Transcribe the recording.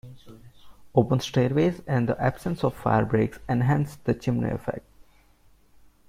Open stairways and the absence of fire breaks enhanced the chimney effect.